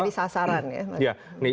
ini bisa jadi sasaran ya mbak desi